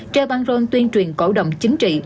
treo băng rôm tuyên truyền cổ đồng chính trị